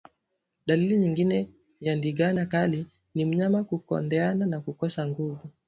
Dalili nyingine ya ndigana kali ni mnyama kukondeana na kukosa nguvu